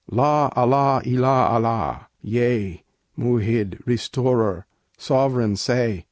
"La Allah illa Allah! Yea, Mu'hid! Restorer! Sovereign!" say!